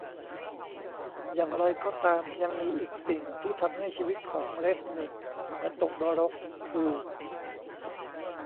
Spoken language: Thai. อย่างไรก็ตามยังมีอีกสิ่งที่ทำให้ชีวิตของเรซนิคเหมือนตกนรกคือ